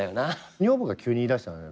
女房が急に言いだしたのよ。